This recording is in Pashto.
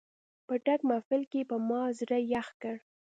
په ډک محفل کې یې په ما زړه یخ کړ.